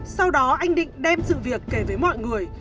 sau đó anh định đem sự việc kể với mọi người